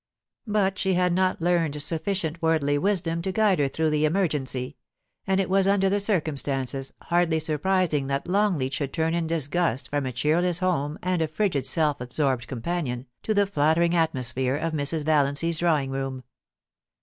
But she had not learned sufficient worldly wisdom to guide her through the emergency ; and it was, under the circumstances, hardly surprising that Long leat should turn in disgust from a cheerless home and a frigid self absorbed companion to . the flattering atmosphere of Mrs. Valiancy's drawing room.